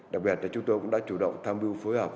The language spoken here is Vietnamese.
đặc biệt là chúng tôi cũng đã chủ động tham mưu phối hợp